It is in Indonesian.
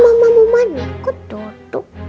mama mau mandi kok duduk